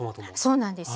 そうなんですよ。